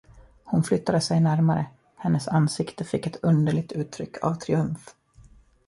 Hon flyttade sig närmare, hennes ansikte fick ett underligt uttryck av triumf.